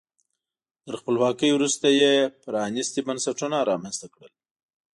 تر خپلواکۍ وروسته یې پرانیستي بنسټونه رامنځته کړل.